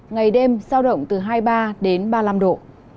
ngày đêm giao động từ hai mươi ba đến ba mươi năm độ